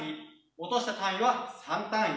落とした単位は３単位。